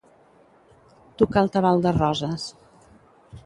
Tocar el tabal de Roses.